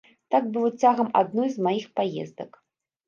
Так было цягам адной з маіх паездак.